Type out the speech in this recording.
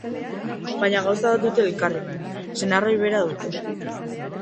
Baina gauza bat dute elkarrekin: senar ohi bera dute.